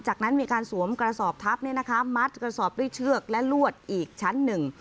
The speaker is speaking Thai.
จากนั้นมีการสวมกระสอบทับมัดกระสอบด้วยเชือกและลวดอีกชั้นหนึ่ง